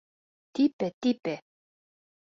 «Типе-типе!»